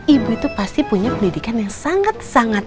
ibu itu pasti punya pendidikan yang sangat sangat